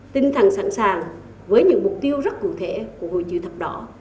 tinh thần sẵn sàng với những mục tiêu rất cụ thể của hội chữ thập đỏ